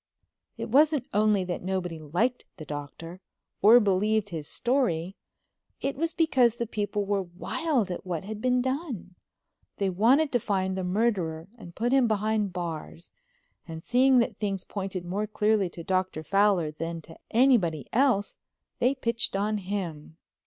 It wasn't only that nobody liked the Doctor, or believed his story, it was because the people were wild at what had been done. They wanted to find the murderer and put him behind bars and seeing that things pointed more clearly to Dr. Fowler than to anybody else they pitched on him.